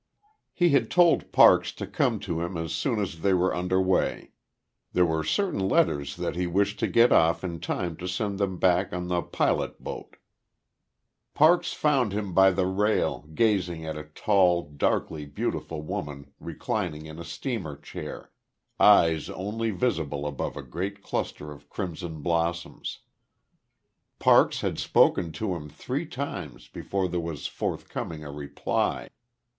He had told Parks to come to him as soon as they were under way. There were certain letters that he wished to get off in time to send them back on the pilot boat. Parks found him by the rail, gazing at a tall, darkly beautiful woman reclining in a steamer chair, eyes only visible above a great cluster of crimson blossoms. Parks had spoken to him three times before there was forthcoming a reply.